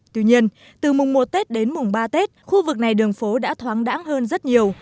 tuy nhiên từ mùng một tết đến mùng ba tết khu vực này đường phố đã thoáng đáng hơn rất nhiều